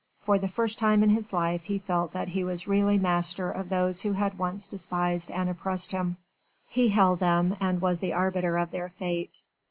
For the first time in his life he felt that he was really master of those who had once despised and oppressed him. He held them and was the arbiter of their fate.